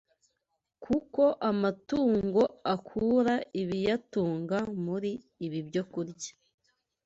Kuko amatungo akura ibiyatunga muri ibi byokurya.